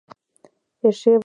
Эше вате маналтеш.